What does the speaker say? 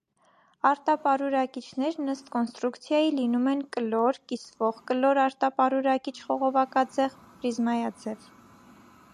Արտապարուրակիչներն ըստ կոնստրուկցիայի լինում են կլոր կիսվող կլոր արտապարուրակիչ խողովակաձև, պրիզմայաձև։